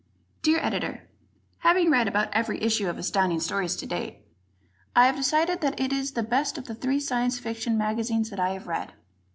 _ Dear Editor: Having read about every issue of Astounding Stories to date, I have decided that it is the best of the three Science Fiction magazines that I have read.